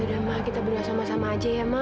ya udah ma kita berdua sama sama aja ya ma